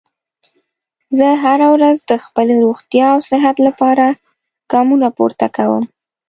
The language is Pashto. زه هره ورځ د خپلې روغتیا او صحت لپاره ګامونه پورته کوم